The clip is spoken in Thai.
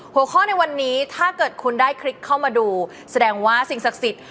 หัวข้อในวันนี้ถ้าเกิดคุณได้คลิกเข้ามาดูแสดงว่าสิ่งศักดิ์สิทธิ์